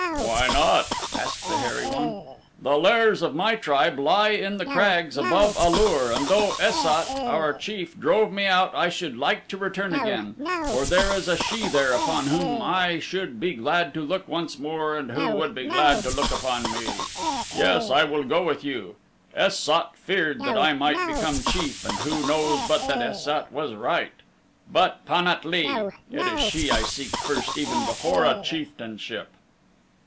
"Why not?" asked the hairy one. "The lairs of my tribe lie in the crags above A lur and though Es sat, our chief, drove me out I should like to return again, for there is a she there upon whom I should be glad to look once more and who would be glad to look upon me. Yes, I will go with you. Es sat feared that I might become chief and who knows but that Es sat was right. But Pan at lee! it is she I seek first even before a chieftainship."